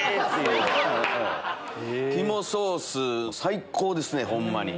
肝ソース最高ですねホンマに。